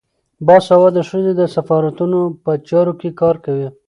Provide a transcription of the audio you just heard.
باسواده ښځې د سفارتونو په چارو کې کار کوي.